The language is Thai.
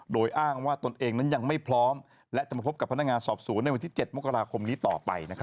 โดยอ้างว่าตนเองนั้นยังไม่พร้อมและจะมาพบกับพนักงานสอบสวนในวันที่๗มกราคมนี้ต่อไป